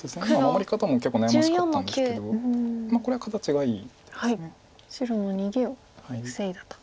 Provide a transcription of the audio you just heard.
守り方も結構悩ましかったんですけどこれは形がいいです。